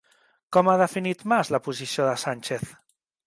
Com ha definit Mas la posició de Sánchez?